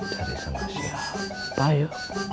cari sama siapa ya